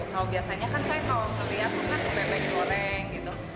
kalau biasanya kan saya kalau melihat mungkin bebek goreng gitu